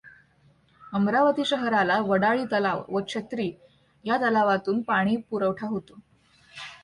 अमरावती शहराला वडाळी तलाव व छत्री या तलावांतून पाणी पुरवठा होतो.